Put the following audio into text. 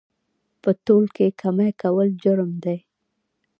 په تول کې کمي کول جرم دی